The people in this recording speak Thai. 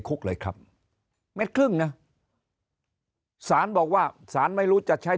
คุกเลยครับเม็ดครึ่งนะสารบอกว่าสารไม่รู้จะใช้